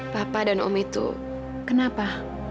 papa dan om itu kenapa